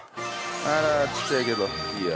あらちっちゃいけどいいや。